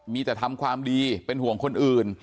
มีแต่ทำความดีเป็นห่วงคนอื่น